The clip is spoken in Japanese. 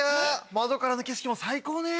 窓からの景色も最高ね。